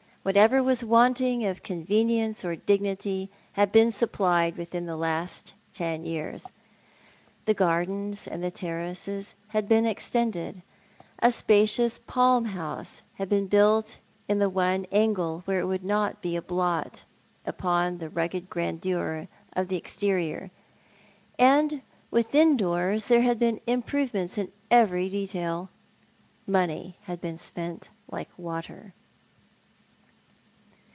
Whatever was wanting of couvenieuce or dignity had been supplied witliiu the last ten years. Tiie gardens and terraces had beeu extended, a spacious palm house had beeu built iu the one angle where it would not be a blot upon the rugged grandeur of the exterior; and within doors there had been iuiprove:uents iu every detail. Money had beeu ?peut like water.